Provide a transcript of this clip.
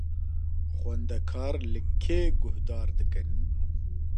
Xwendekar li kê guhdar dikin?